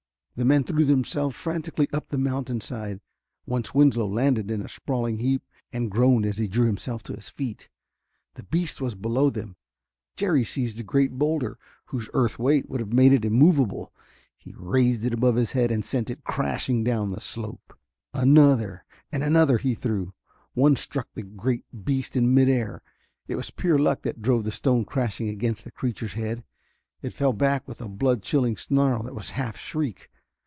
The men threw themselves frantically up the mountainside. Once Winslow landed in a sprawling heap and groaned as he drew himself to his feet. The beast was below them. Jerry seized a great boulder, whose earth weight would have made it immovable. He raised it above his head and sent it crashing down the slope. Another and another he threw. One struck the great beast in mid air; it was pure luck that drove the stone crashing against the creature's head. It fell back with a blood chilling snarl that was half shriek.